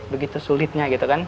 begitu sulitnya gitu kan